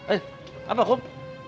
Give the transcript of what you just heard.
eh apa kum